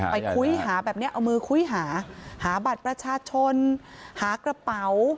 คุยหาแบบนี้เอามือคุ้ยหาหาบัตรประชาชนหากระเป๋า